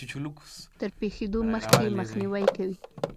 تر پېښېدو مخکې يې مخنيوی کوي.